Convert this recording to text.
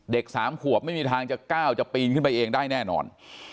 ๓ขวบไม่มีทางจะก้าวจะปีนขึ้นไปเองได้แน่นอน